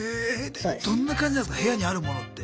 どんな感じなんすか部屋にあるものって。